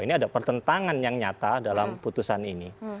ini ada pertentangan yang nyata dalam putusan ini